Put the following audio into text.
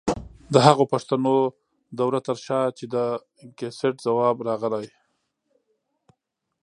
د هغو پښتنو د وره تر شا چې د کېست ځواب راغلی؛